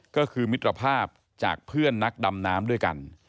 ก็คือมิตรภาพจากเพื่อนนักดำน้ำด้วยกัน